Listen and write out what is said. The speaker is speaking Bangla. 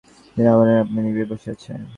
তারা আপনার আলো আপনি নিবিয়ে বসে আছে।